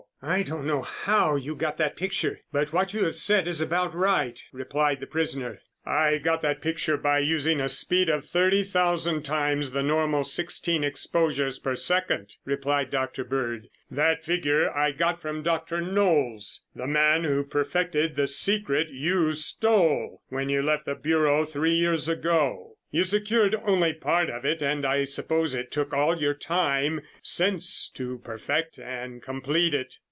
"I don't know how you got that picture, but what you have said is about right," replied the prisoner. "I got that picture by using a speed of thirty thousand times the normal sixteen exposures per second," replied Dr. Bird. "That figure I got from Dr. Knolles, the man who perfected the secret you stole when you left the Bureau three years ago. You secured only part of it and I suppose it took all your time since to perfect and complete it.